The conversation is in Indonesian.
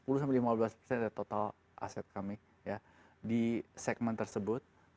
lima belas persen ya sepuluh lima belas persen dari total aset kami di segmen tersebut